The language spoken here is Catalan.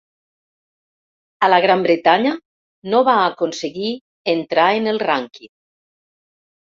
A la Gran Bretanya, no va aconseguir entrar en el rànquing.